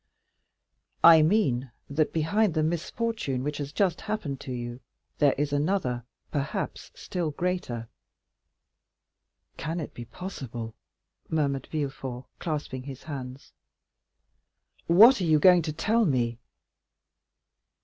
"I mean that behind the misfortune which has just happened to you, there is another, perhaps, still greater." "Can it be possible?" murmured Villefort, clasping his hands. "What are you going to tell me?"